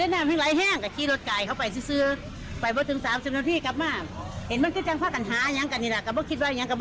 ทุกวันเรียบแล้วจากโต๊ะมีอีกเป้าที่อยู่แหลมน้ำด้วยละครับ